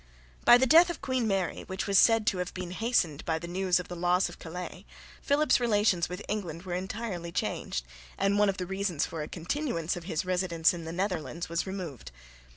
By the death of Queen Mary, which was said to have been hastened by the news of the loss of Calais, Philip's relations with England were entirely changed, and one of the reasons for a continuance of his residence in the Netherlands was removed.